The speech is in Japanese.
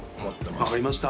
分かりました